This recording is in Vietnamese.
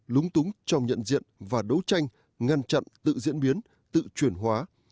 lúng túng trong nhận diện và đấu tranh ngăn chặn tự diễn biến tự chuyển hóa